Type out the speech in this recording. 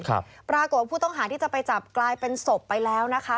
ครับปรากฏว่าผู้ต้องหาที่จะไปจับกลายเป็นศพไปแล้วนะคะ